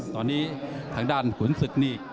ตอนนี้ทางด้านขุนศึกนี่